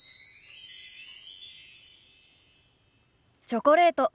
チョコレート。